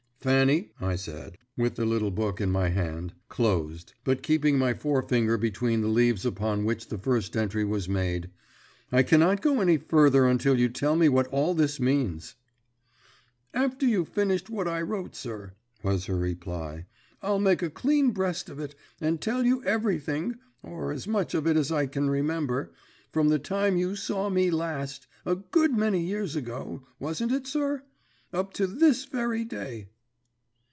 "Fanny," I said, with the little book in my hand, closed, but keeping my forefinger between the leaves upon which the first entry was made, "I cannot go any farther until you tell me what all this means." "After you've finished what I wrote, sir," was her reply, "I'll make a clean breast of it, and tell you everything, or as much of it as I can remember, from the time you saw me last a good many years ago, wasn't it, sir? up to this very day."